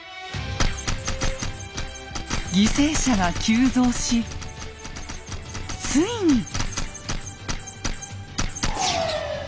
犠牲者が急増しついに。